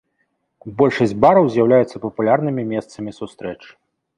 Большасць бараў з'яўляюцца папулярнымі месцамі сустрэч.